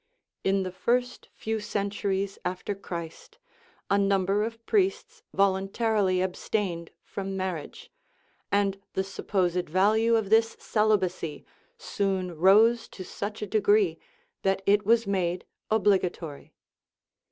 In the first few centuries after Christ a number of priests vol untarily abstained from marriage, and the supposed value of this celibacy soon rose to such a degree that it was made obligator}^.